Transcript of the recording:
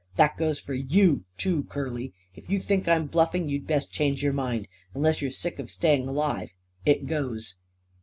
That goes for you, too, Curly! If you think I'm bluffing, you'd best change your mind unless you're sick of staying alive. It goes!"